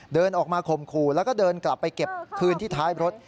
เดินออกมาข่มขู่แล้วก็เดินกลับไปเก็บคืนที่ท้ายรถ